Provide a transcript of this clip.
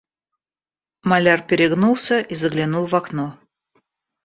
Маляр перегнулся и заглянул в окно.